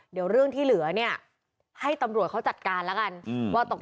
เดี๋ยวเรื่องที่เหลือเนี่ยให้ตำรวจเขาจัดการแล้วกันว่าตก